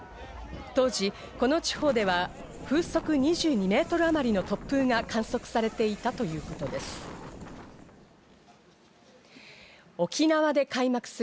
当時、この地方では風速２２メートルあまりの突風が観測されていたということです。